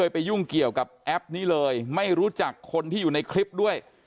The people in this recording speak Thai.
ไปยุ่งเกี่ยวกับแอปนี้เลยไม่รู้จักคนที่อยู่ในคลิปด้วย